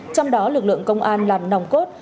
trong đó lực lượng công an làm nòng cốt